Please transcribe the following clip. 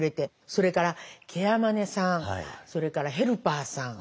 それからケアマネさんそれからヘルパーさん。